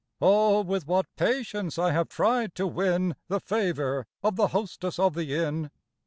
Oh, with what patience I have tried to win The favour of the hostess of the Inn!